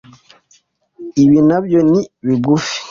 Ibi nabyo ni bigufi